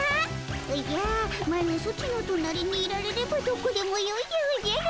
おじゃマロソチの隣にいられればどこでもよいでおじゃる。